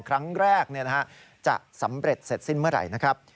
ครั้งแรกจะสำเร็จเสร็จสิ้นเมื่อไหร่นะครับ